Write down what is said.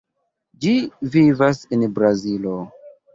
Ĝi vivas en Brazilo.